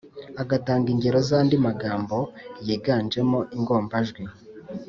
agatanga ingero z’andi magambo yiganjemo ingombajwi n